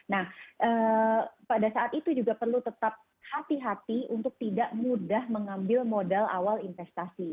nah pada saat itu juga perlu tetap hati hati untuk tidak mudah mengambil modal awal investasi